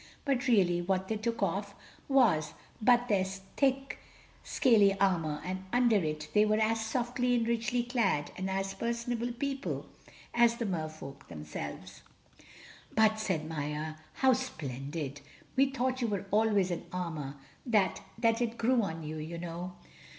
But really what they took off was but their thick scaly armor, and under it they were as softly and richly clad, and as personable people as the Mer Folk themselves. "But," said Maia, "how splendid! We thought you were always in armor—that—that it grew on you, you know."